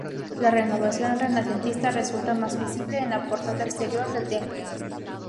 La renovación renacentista resulta más visible en la portada exterior del templo.